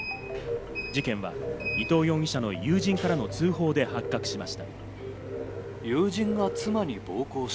事件は伊藤容疑者の友人からの通報で発覚しました。